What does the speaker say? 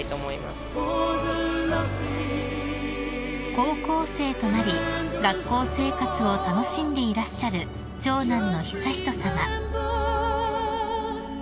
［高校生となり学校生活を楽しんでいらっしゃる長男の悠仁さま］